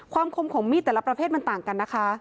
คมของมีดแต่ละประเภทมันต่างกันนะคะ